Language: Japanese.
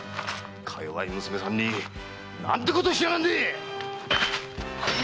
か弱い娘さんに何てことしやがんでい！